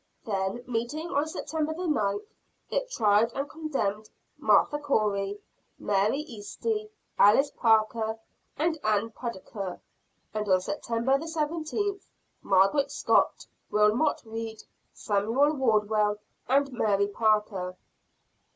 Then meeting on September 9th, it tried and condemned Martha Corey, Mary Easty, Alice Parker and Ann Pudcator; and on September 17th, Margaret Scott, Wilmot Reed, Samuel Wardwell and Mary Parker.